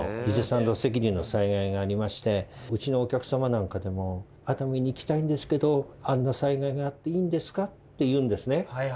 伊豆山土石流の災害がありましてうちのお客さまなんかでも「熱海に行きたいんですけどあんな災害があっていいんですか？」って言うんです。